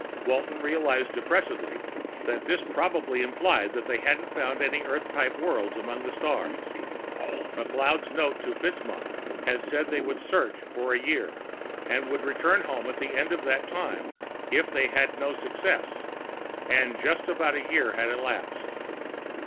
Walton realized depressedly that this probably implied that they hadn't found any Earth type worlds among the stars. McLeod's note to FitzMaugham had said they would search for a year, and would return home at the end of that time if they had no success. And just about a year had elapsed.